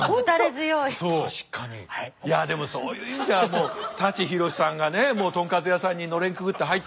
いやでもそういう意味ではもう舘ひろしさんがねもうとんかつ屋さんにのれんくぐって入ってくる。